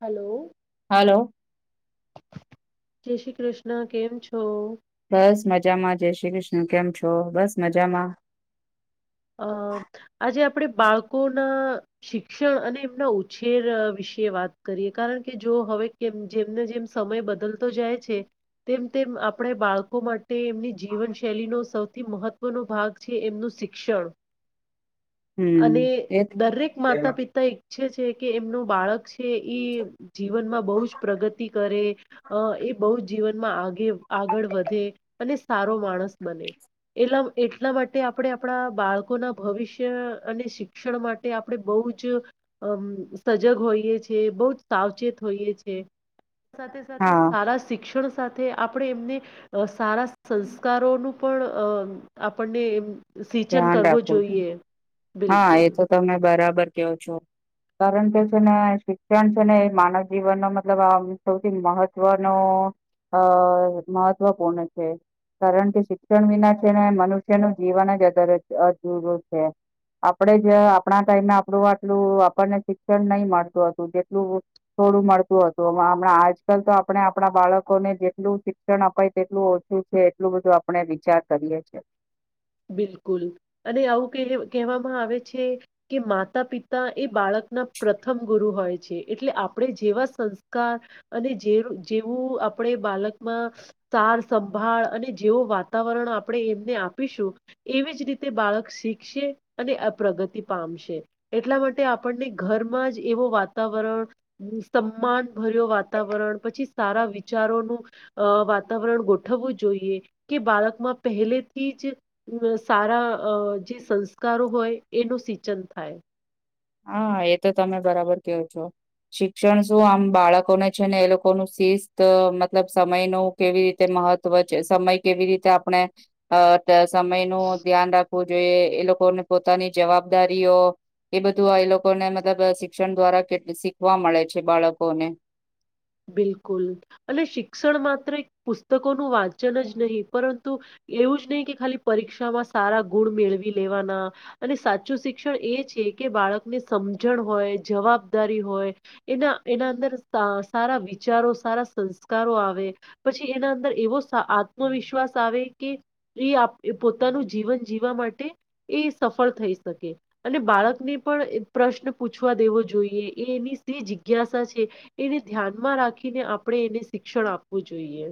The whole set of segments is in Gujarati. હલો હાલો જય શ્રી કૃષ્ણ કેમ છો બસ મજામાં જય શ્રી કૃષ્ણ કેમ છો બસ મજામાં અ આજે આપણેે બાળકોના શિક્ષણ અને એમના ઉછેર વિશે વાત કરીએ કારણ કે જો હવેમ જેમને જેમ સમય બદલતો જાય છે તેમ તેમ આપણે બાળકો માટે એમની જીવન શૈલીનો સૌથી મહત્વનો ભાગ છે એમનું શ શિક્ષણ અને હમ એ દરેક માતા પિતા એક ઈચ્છે છે કે એમનું બાળક છે એ જીવનમાં બહુ જ પ્રગતિ કરે અ એ બહુ જીવનમાં આગે આગળ વધે અને સારો માણસ બને એલા એટલા માટે આપણે આપણા બાળકો ના ભવિષ્ય અને શિક્ષણ માટે આપણે બહુ જ અ સજગ હોઈએ છ છેએ બહુ જ સાવચેત જોઈએ છે હ સાથે સાથે સારા શિક્ષણ સાથે આપણે એમને સારા સંસ્કારોનું પણ અ આપણને એમ સિંચન ધ્યાન કરવો રાખો જોઈએ હા બિલકુલ એ તો તમે બરાબર કવો છો કારણ કે છે ને શિક્ષણ છે ને એ માનવ જીવનનો મતલબ આ સૌથી મહત્વનો અ મહત્વપૂર્ણ છે કારણ કે શિક્ષણ વિના છે ને મનુષ્યનું જીવન જ અધારે અધરું છે આપડે જ આપણા ટાઈમે આપડું આટલું આપણને શિક્ષણ નહી મળતું હતું જેટલું થડું મળતું હતુંમણાં આજકાલ તો આપણે આપણા બાળકોને જેટલું શિક્ષણ અપાય તેટલું ઓછું એટલું બધું આપણે વિચાર કરીએી બિલકુલ અને આવું કહેવામાં આવે છે કે માતા પિતા એ બાળક ના પ્રથમ ગુરુ હોય છે એટલે આપણે જેવા સંસ્કાર અને જે જેવું આપણે બાલકમાં સાર સંભાળ અને જેવું વાતાવરણ આપણે એમને આપ એવી જ રીતે બાળક શીખશે અને પ્રગતિ પામશે એટલા માટે આપણને ઘરમાં જ એવો વાતાવરણ સમાન ભર્યો વાતાવરણ પછી સારા વિચારોનું વાતાવરણ ગોઠવવું જોઈએ કે બાળકમાં પહેલે થી જ સારા જે સંસ્કારો હોય એનું સિંચન થાય હા એ તો તમે બરાબર કેવો છો શિક્ષણ શું આમ બાળકોને છે ને એ લોકો ન શિસ્ત મતલબ સમય નું કેવી રીતે મહત્વ છે સમય કેવી રીતે આપણે સમય નું ધ્યાન રાખવું જોઈએ એ લોકોને પોતાની જવાબદારીઓ એ બધ ું એ લોકોને મતલબ શિક્ષણ દ્વારા કેટલી શીખવા મળે છે બાળકોને બિલકુલ અને શિક્ષણ માત્ર પુસ્તકોનું વાંચન જ નહીં પરંતુ એવું જ નહીિ કે ખાલી પરીક્ષામાં સારા ગુણ મેળવી લેવાના અને સાચું શિક્ષણ એ છે કે બાળક ની સમજણ હોય જવાબદારી હોય એના એના અંદર સારા વિચારો સારા સંસ્કારો આવે પછી એના અંદર એવો આત્મવિશ્વાસ આવે કે એ પોતાનું જીવન જીવવા માટે એ સફળ થઈ શકે અને બાળકને પણ પ્રશ્ન પૂછવા દેવો જોઈએ એ એની શ જિજ્ઞાસા છે એને ધ્યાનમાં રાખીને આપણે એને શિક્ષણ આપવું જોઈએ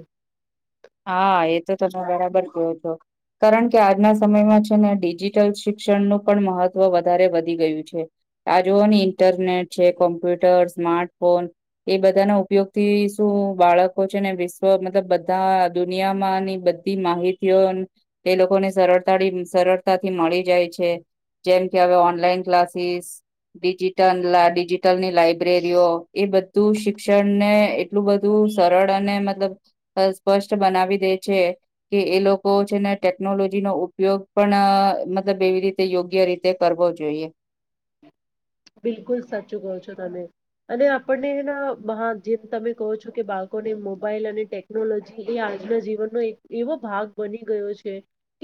હા એ તો તમે બરાબર કેયોો છો કારણ કે આજના સમયમાં છે ને ડિજિટલ શિક્ષણનું પણ મહત્વ વધારે વધી ગયું છે આજુની ઇન્ટરનેટ છે કોમ્પ્યુટર સ્માર્ટફોન એ બધાના ઉપયોગ થી શું બાળકો છે ને વિશ્વ મતલબ બધા દુનિયામાંની બધી માહિતીઓ એ લોકોને સરળતા સરળતાથી મળી જાય છે જેમ કલાસ લની લાયબ્રેરીઓ એ બધ તું શિક્ષણ ને એટલું બધું સરળ અને મતલબ સ્પષ્ટ બનાવી દે છે કે એ લોકો છે ને ટેકનોલોજી નો ઉપયોગ પણ મતલબ કેવી રીતે યોગ્ય રીતે કરવો જોઈએ બિલકુલ સાચું કહો છો તમે અને આપણનેા જેમ તમે કહો છો કે બાળકોને મોબાઈલ અને ટેકનોલોજી એ આજના જીવનનો એક એવો ભાગ બની ગયો છે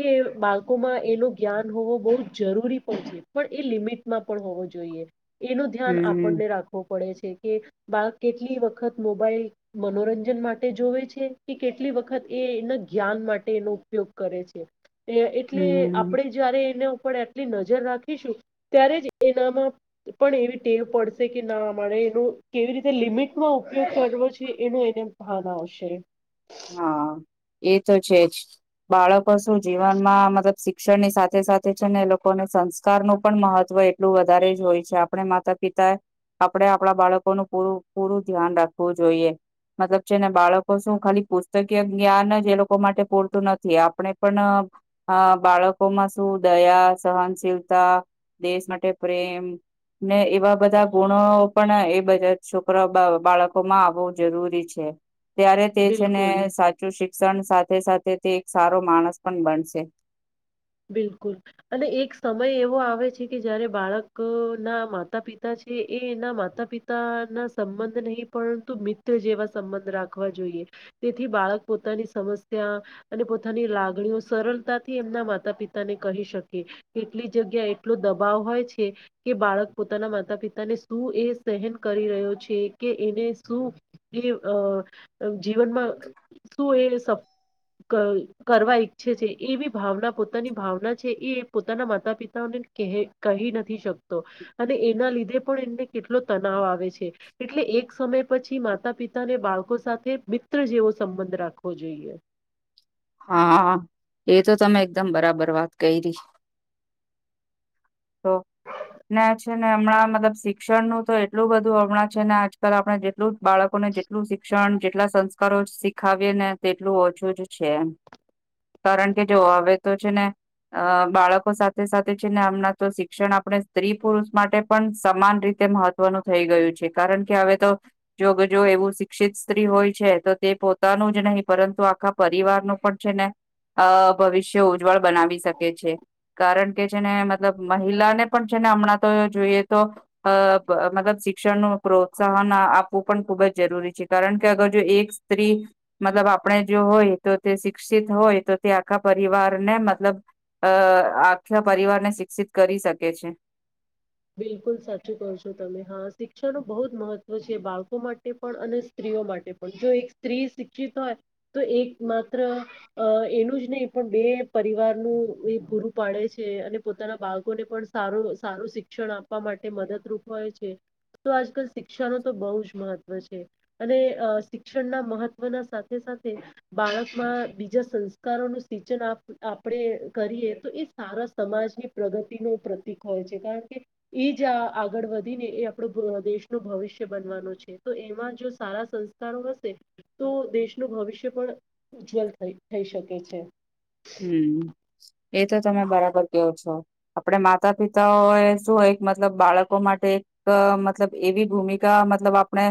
કે બાળકોમાં એનો જ્ઞાન હોવો બહુ જરૂરી પણ છે પણ એ લિમિટમાં પણ હોવો જોઈએ એનું ધ્યાન હમ્મ આપણને રાખવું પડે છે કે બાળ કેટલી વખત મોબાઈલ મનોરંજન માટે જોવે છે કે કેટલી વખત એ જ્ઞાન માટે એનો ઉપયોગ કરે છે એટલે હમ્મ. આપણેે જયારે એના ઉપર આટલી નજર રાખીશું ત્યારે જ એનામાં પણ એવી ટેવ પડશે કે ના અમારે એનો કેવી રીતે લિમિટમાં ઉપયોગ કરવો છે એનો ને ભ આવશે હા એ તો છે જ બાળકો શું જીવનમાં મતલબ શિક્ષણની સાથે સાથે છે ને એ લોકોને સંસ્કાર નું પણ મહત્વ એટલું વધારે જ હોય છે આપણે માતા પિતા આપડે આપણા બાળકોનુંું પૂરું પૂરું ધ્યાન રાખવું જોઈએ મતલબ છેને બાળકો શું ખાલી પુસ્તકીય જ્ઞાન જ એ લોકો માટે પૂરતું નથી આપણે પણ બાળકોમાં શું દયા સહનશીલતા દેશ માટે પ્રેમ ને એવા બધા ગુણો પણ એ બધા છોકરા બાળકો માં આવવું જરૂરી છે ત્યારે તે છે ને બિલકુલ સાચું શિક્ષણ સાથે સાથે તે એક સારો માણસ પણ બનશે બિલકુલ અને એક સમય એવો આવે છે કે જારે બાળક ના માતા પિતા છે જે એ એના માતા પિતા ના સંબંધ નહી પરંતુ મિત્ર જેવા સંબંધ રાખવા જોઈએ તેથી બાળક પોતાની સમસ્યા અને પોતાની લાગણીઓ સરળતાથી એમના મા માતા પિતા ને કહી શકે કેટલી જગ્યા એટલો દબાવ હોય છે કે બાળક પોતાના માતા પિ પિતાને શું એ સહન કરી રહ્યો છે કે એને શું એ જીવનમાં શું એ કરવા ઈચ્છે છે એવી ભાવના પોતાની ભાવના છે એ પોતાના માતા પિતાને કહી નથી શકતો અને એના લીધે પણ એને કેટલો તનાવ આવે છે એટલે એક સમય પછી માતા પિતાને બાળકો સાથે મિત્ર જેવો સંબંધ રાખવો જોઈએ હા એ તો તમે એકદમ બરાબર વાત કરી તો ને છે ને હમણાં મતલબ શિક્ષણ નું તો એટલું બધું હમણાં છે ને આજકાલ આપડણે જેટલું બાળકોને જેટલું શિક્ષણ જેટલા સંસ્કારો શીખાવી ને તેટલું ઓછું જ છે એમ કારણ કે જો અવે તો છે ને અ બાળકો સાથે સાથે છે ને આમના તો શિક્ષણ આપણે સ્ત્રી પુરુષ માટે પણ સમાન રીતે મહત્વનું થઈ ગયું છે કારણ કે હવે તો જો જો એવું શિક્ષિત સ્ત્રી હોય છે તો તે પોતાનું જ નહીં પરંતુ આખા પરિવારનુ પણ છે ને અ ભવિષ્ય ઉજ્જવળ બનાવી શકે છે કારણ કે છે ને મતલબ મહિલાને પણ છે હમણાં તો જોઈએ તો આ મતલબ શિક્ષણ નું પ્રોત્સાહન આપવું પણ ખૂબ જ જરૂરી છે કારણ કે અગર જો એક સ્ત્રી મતલબ આપણે જો હોય તો શિક્ષિત હોય તો તે આખા પરિવાર ને મતલબ અ આખા પરિવાર ને શિક્ષિત કરી શકે છે. બિલકુલ સાચું કહો છો તમે હા શિક્ષણનું બહુ જ મહત્વ છે બાળકો માટે પણ અને સ્ત્રી સ્ત્રી ઓ માટે પણ જો એક સ્ત્રી શિક્ષિત હોય તો એક માત્ર આ એનું જ નહી પણ બે પરિવાર નું એ પૂરું પાડે છે અને પોતાના બાળકોને પણ સારો સારું શીખ શિક્ષણ આપવા માટે મદદરૂપ હોય છે. તો આજકાલ શિક્ષા નો તો બહુ જ મહત્વ છે અને આ શિક્ષણના મહત્વના સાથે સાથે બાળકમાં બીજા સંસ્કારો નું સિચન અપ આપણે કરીએ તો એ સા સારા સમાજની પ્રગતિ નું પ્રતિક હોય છે કારણ કે એ જ અ આગળ વધીને એ આપણું દેશ નું ભવિષ્ય બનવાનું છે તો એમાં જો સા સારા સંસ્કારો હસે તો દેશનું ભવિષ્ય પણ ઉજ્જવલ થઈ થઈ શકે છે. હમ્મ એ તો તમે બરાબર કેવો છો આપડ માતા પિતાઓ એ શું એ મતલબ બાળકો માટે એક મતલબ એવી ભૂમિકા મતલબ આપણે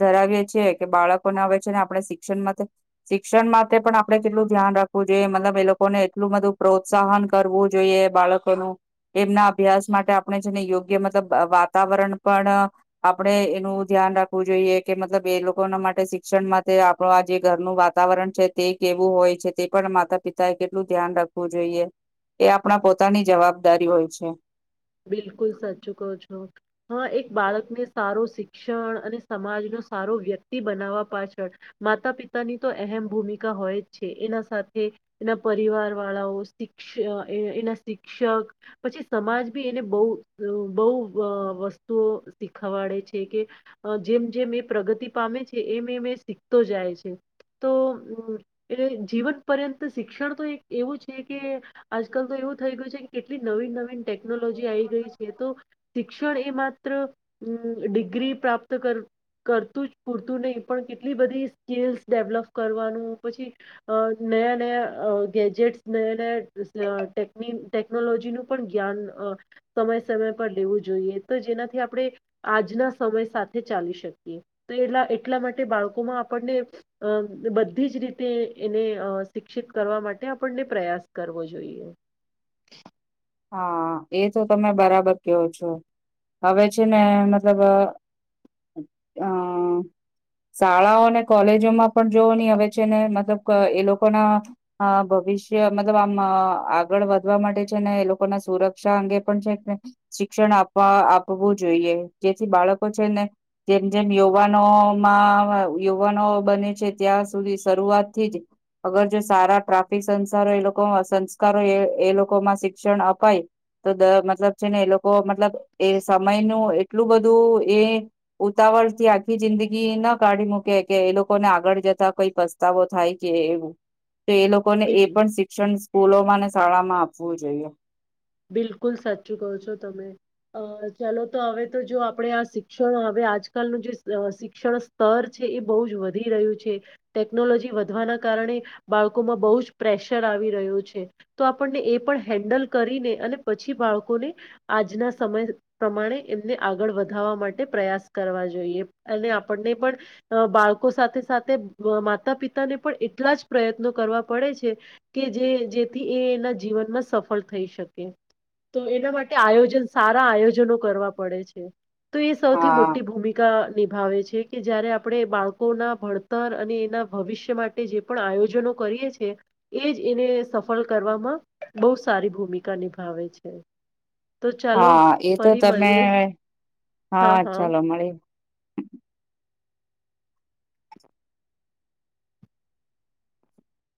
ધરાવીએ છીએ કે બાળકોને આવે છે ને આપણે શિક્ષણ માટે શિક્ષણ માટે પણ આપડે કેટલું ધ્યાન રાખવું જોઈએ મતલબ એ લોકોને એટલું બધું પ્રોત્સાહન કરવું જોઈએ બાળકોનું એમના અભ્યાસ માટે આપણે જેને યોગ્ય મતલબ વાતાવરણ પણ આપણે એનું ધ્યાન ધ્યાન રાખવું જોઈએ કે મતલબ એ લોકોના માટે શિક્ષણ માટે આપણું આ જે ઘરનું વાતાવરણ છે તે કેવું હોય છે તે પણ માતા પિત થાય કેટલું ધ્યાન રાખવું જોઈએ એ આપણા પોતાની જવાબદારી હોય છે. બિલકુલ સાચુ કો છો હા એક બાળકને સારું શિક્ષણ અને સમાજનો સારો વ્યક્તિ બનાવા પાછળ માતા પિતાની તો અહેમ ભૂમિકા હોય જ છે એના સાથ થે એના પરિવાર વાળાઓ શિક્ષ આ એના શિક્ષક પછી સમાજ પે એને બહુ રો બહુ આ વસ્તુઓ શીખવાડે છે કે આ જેમ જેમ તે પ્રગતિ પામે છે એમ એ મેં શીખતો જાય છે. તો એટલે જીવન પર્યંત શિક્ષણ તો એક એવું છે કે આજકાલ તો એ તો થઈ ગયું છે કેટલી નવીન નવીન ટે ટેકનોલોજી આવી ગઈ છે તો શિક્ષણ એ માત્ર ડિગ્રી પ્રાપ્ત કર કરતું જ પૂરતું નહી પણ કેટલી બધી સ્કીલ્સ ડેવલપ કરવાનું પછી અ નયા નયા આ ગેજેટ્સ નયા નયા આ ટેકની ટેકનોલોજીનું પણ જ્ઞાન અ સમય સમય પર લેવું જોઈએ તો જેનાથી આપણે આજના સમય સાથે ચાલી શકી એ એટલા એટલા માટે બાળકોમાં આપણને આ બધી જ રીતે એને અ અ શિક્ષિત કરવા માટે આપણને પ્રયાસ કરવો જોઈએ. હા એ તો તમે બરાબર કેવો છો. હવે છે ને મતલબ આ શાળાઓ અને કોલેજોમાં પણ જોવ ની હવે છે ને મતલબ એ લોકો ના આ ભ ભવિષ્ય મતલબ આમ આ આગળ વધવા માટે છે ને એ લો ના સુરક્ષા અંગે પણ છે શિક્ષણ આપવા આપવું જોઈએ જેથી બાળકો છે ને જેમ જેમ યુવાનોમાં યુવાનો બને છે ત્યાં સુધી શરૂઆતથી જ અગર જો સારા ટ્રાફિક સંસારો એ લોકો સંસ્કારો એ લોકોમાં શિ શિક્ષણ અપાય તો દર મતલબ છે ને એ લોકો મતલબ એ સમય નો એ એટલું બધું એ ઉતાવળ થી આખી જિંદગી ના કાઢી મૂકે કે એ લોકોને આગળ જ તથા કોઈ પસ્તાવો થાય કે એવું. તો એ લોકોને એ બિલ પણ શિક્ષણ સ્કૂલોમાં ને શાળા માં આપવું જોઈએ. બિલકુલ સાચું કહો છો તમે. અ ચાલો તો હવે તો જો આપણેે આ શિક્ષણ હવે આજકાલનું જે અ શિક્ષણ સ્તર છે. એ બહું જ વધી રહ્યું છે ટેકનોલોજી વધવાના કારણે બાળકોમાં બહુ જ પ્રેશર આવે વી રહ્યું છે તો આપણને એ પણ હેન્ડલ કરીને અને પછી બાળકોને આજના સમય પ્રમાણે એમને આગળ વધાવવા માટે પ્રયાસ કર જોઈએ અને આપને પણ બાળકો સાથે સાથે માતા પિતાને પણ એટલા જ પ્રયત્નો કરવા પડે છે કે જે જેથી એ એના જીવનમાં સફળ થઈ શકે તો એના માટે આયોજન સારા આયોજનો કરવા પડે છે તો એ સૌથી હા. મોટી ભૂમિકા નિભાવે છે કે જયારે આપણે બાળકોના ભણતર અને એના ભવિષ્ય માટે જે પણ આયોજનો કરીએ છે એ જ એને સફળ કરવામાં બહુ સારી ભૂમિકા ક નિભાવે છે તો ચાલો હા એ તો ફરી મળીએ તમે હા હા ચાલો મળી